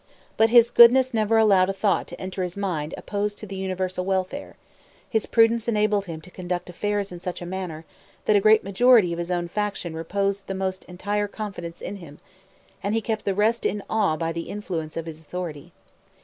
But his goodness never allowed a thought to enter his mind opposed to the universal welfare: his prudence enabled him to conduct affairs in such a manner, that a great majority of his own faction reposed the most entire confidence in him; and he kept the rest in awe by the influence of his authority.